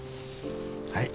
はい。